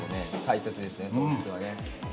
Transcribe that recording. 大切ですね糖質はね。